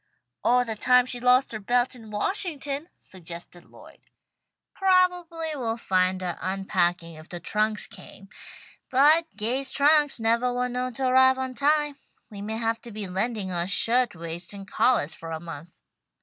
"Or the time she lost her belt in Washington," suggested Lloyd. "Probably we'll find her unpacking if the trunks came. But Gay's trunks nevah were known to arrive on time. We may have to be lending her shirtwaists and collahs for a month."